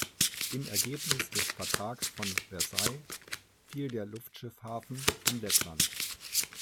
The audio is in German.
Im Ergebnis des Vertrags von Versailles fiel der Luftschiffhafen an Lettland.